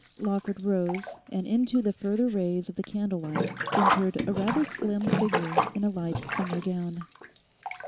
Lawford rose, and into the further rays of the candlelight entered a rather slim figure in a light summer gown.